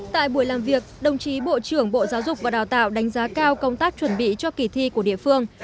tại buổi làm việc đồng chí bộ trưởng bộ giáo dục và đào tạo đánh giá cao công tác chuẩn bị cho kỳ thi của địa phương